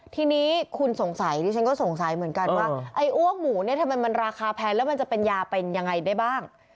ทีนี้คุณสงสัยดิฉันก็สงสัยเหมือนกันว่าไอ้อ้วกหมูเนี่ยทำไมมันราคาแพงแล้วมันจะเป็นยาเป็นยังไงได้บ้าง